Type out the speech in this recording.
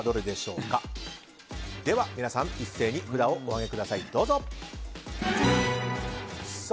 では皆さん一斉に札をお上げください。